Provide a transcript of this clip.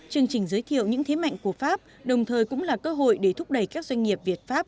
chương trình giới thiệu những thế mạnh của pháp đồng thời cũng là cơ hội để thúc đẩy các doanh nghiệp việt pháp